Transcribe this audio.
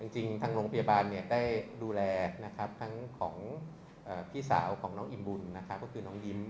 จริงทางโรงพยาบาลได้ดูแลทั้งของพี่สาวของน้องอิ่มบุญน้องยิ้ม